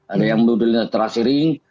ada yang modelnya terasering